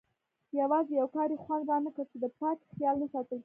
یوازې یو کار یې خوند رانه کړ چې د پاکۍ خیال نه ساتل کېږي.